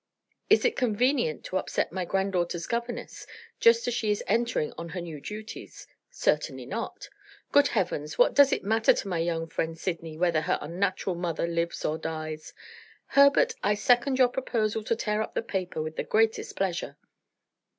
Is it convenient to upset my granddaughter's governess, just as she is entering on her new duties? Certainly not! Good heavens, what does it matter to my young friend Sydney whether her unnatural mother lives or dies? Herbert, I second your proposal to tear up the paper with the greatest pleasure."